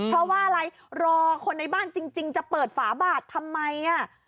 เพราะว่าอะไรรอคนในบ้านจริงจะเปิดฝาบาททำไมอ่ะ